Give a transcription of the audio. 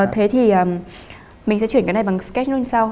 thế thì mình sẽ chuyển cái này bằng sketch note như sao